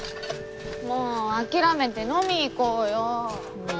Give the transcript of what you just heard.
もう諦めて飲みに行こうよ。